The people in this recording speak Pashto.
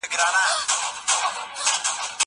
زه به سبا سبزېجات جمع کوم!!